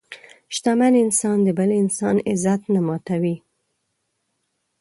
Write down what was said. شتمن انسان د بل انسان عزت نه ماتوي.